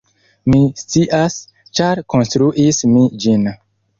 Mi scias, ĉar konstruis mi ĝin.